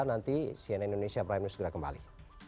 nanti cnn indonesia prime news segera kembali